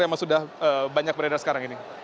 memang sudah banyak beredar sekarang ini